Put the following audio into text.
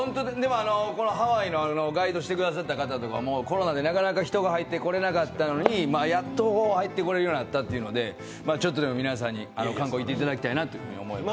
このハワイのガイドしてくださった方とかもコロナで人が入ってこれなかったのでやっと入ってこれるようになったというので、ちょっとでも皆さんに観光に行っていただきたいなと思います。